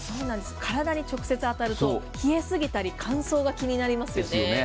からだに直接当たると冷えすぎたり乾燥が気になりますかよね。